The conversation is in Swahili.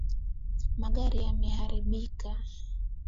Magari yameharibika.